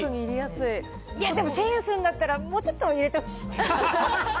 でも、１０００円するんだったら、もうちょっと入れてほしい。